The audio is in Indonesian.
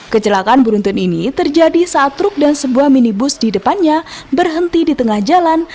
kecelakaan beruntun ini terjadi saat truk dan sebuah minibus di depannya berhenti di tengah jalan